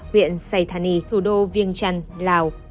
huyện sài thà nhi thủ đô viêng trăn lào